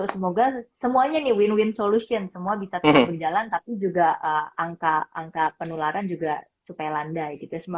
semoga semuanya nih win win solution semua bisa terus berjalan tapi juga angka penularan juga supaya landai gitu